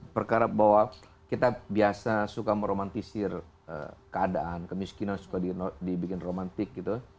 perkara bahwa kita biasa suka meromantisir keadaan kemiskinan suka dibikin romantik gitu